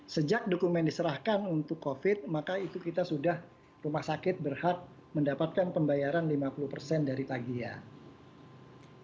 sejak dokumen diserahkan untuk covid maka itu kita sudah rumah sakit berhak mendapatkan pembayaran lima puluh persen dari tagihan